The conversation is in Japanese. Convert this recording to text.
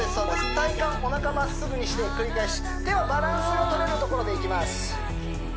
体幹おなかまっすぐにして繰り返し手はバランスがとれるところでいきます